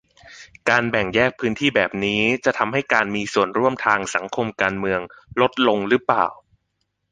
การแบ่งแยกพื้นที่แบบนี้ จะทำให้การมีส่วนร่วมทางสังคมการเมืองลดลงหรือเปล่า